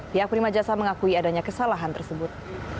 pihak prima jasa mengakui adanya kesalahan tersebut